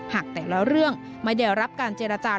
หากแต่ละเรื่องไม่ได้รับการเจรจา